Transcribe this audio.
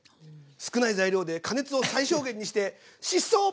少ない材料で加熱を最小限にして疾走！